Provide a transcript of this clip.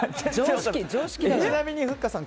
ちなみにふっかさん